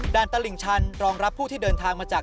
ตลิ่งชันรองรับผู้ที่เดินทางมาจาก